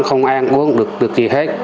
không ăn uống được gì hết